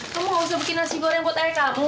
kamu gak usah bikin nasi goreng buat ayah kamu